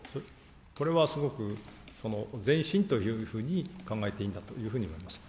これはすごく前進というふうに考えていいんだというふうに思います。